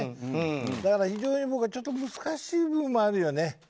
だからちょっと難しい部分もあるよね。